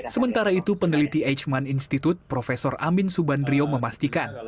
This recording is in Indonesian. sementara itu peneliti hman institute prof amin subandrio memastikan